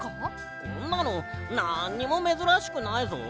こんなのなんにもめずらしくないぞ。